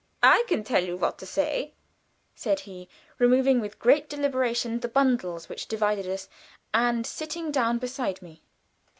"I can tell you what to say," said he, removing with great deliberation the bundles which divided us, and sitting down beside me.